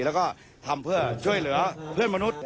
แล้วก็ทำเพื่อช่วยเหลือเพื่อนมนุษย์